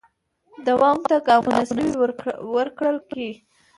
دوام ته ګامونو شوي ورکړل کې